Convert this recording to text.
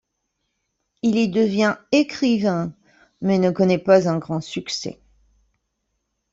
Il y devient écrivain, mais ne connaît pas un grand succès.